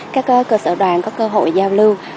các cơ sở đoàn có cơ hội giao lưu